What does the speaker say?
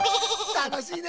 たのしいね。